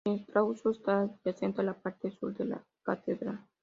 El claustro está adyacente a la parte sur de la catedral.